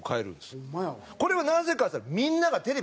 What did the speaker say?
これはなぜかっつったら。